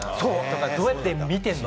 どうやって見てんの？